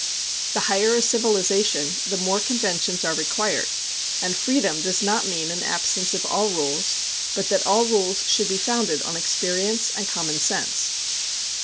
The higher a civilization, the more conventions are required; and freedom does not mean an absence of all rules, but that all rules should be founded on experience and common sense.